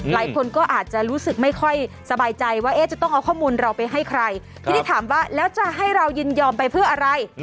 หลายคนก็อาจจะรู้สึกไม่ค่อยสบายใจว่าเอ๊ะจะต้องเอาข้อมูลเราไปให้ใครทีนี้ถามว่าแล้วจะให้เรายินยอมไปเพื่ออะไร